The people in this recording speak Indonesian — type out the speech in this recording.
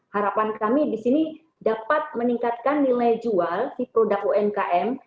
harapan kami di sini dapat meningkatkan nilai jual si produk umkm